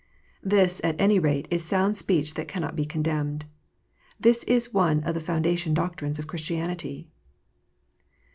This, at any rate, is sound speech that cannot be condemned. This is one of the foundation doc trines of Christianity.